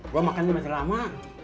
gue makan di masa lama